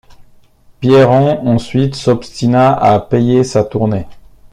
Pierron ensuite s’obstina à payer sa tournée.